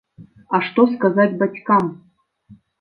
А што сказаць бацькам?